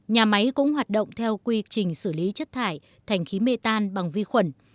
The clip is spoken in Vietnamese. nhà máy cũng hoạt động theo quy trình xử lý chất thải thành khí mê tan bằng vi khuẩn